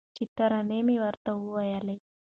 چي ترانې مي ورته ویلې